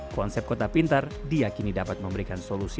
konsep kota pintar diakini dapat memberikan solusi